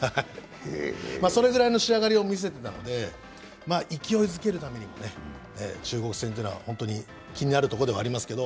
それぐらいの仕上がりを見せていたので勢いづけるためにも中国戦というのは気になるところですけれども。